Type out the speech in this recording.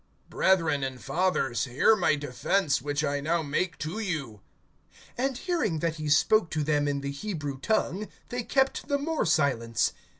BRETHREN, and fathers, hear my defense, which I now make to you. (2)And hearing that he spoke to them in the Hebrew tongue, they kept the more silence.